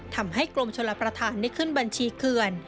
ทำให้กรมชลประธานได้ขึ้นบัญชีเคือน